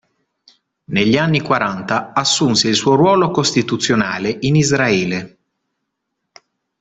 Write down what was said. Negli anni quaranta assunse il suo ruolo costituzionale in Israele.